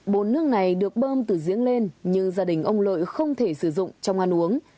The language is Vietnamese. bồn nước này được bơm từ giếng lên nhưng gia đình ông lợi không thể sử dụng trong ăn uống